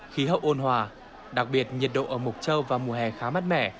khí hậu ôn hòa đặc biệt nhiệt độ ở mộc châu vào mùa hè khá mát mẻ